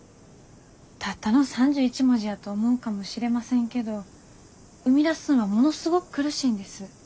たったの３１文字やと思うかもしれませんけど生み出すんはものすごく苦しいんです。